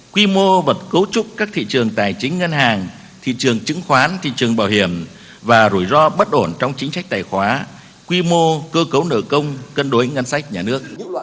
quy mô vật cấu trúc các thị trường tài chính ngân hàng thị trường chứng khoán thị trường bảo hiểm và rủi ro bất ổn trong chính sách tài khoá quy mô cơ cấu nợ công cân cân đối ngân sách nhà nước